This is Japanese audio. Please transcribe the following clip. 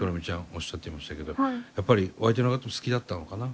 おっしゃっていましたけどやっぱりお相手のこと好きだったのかな？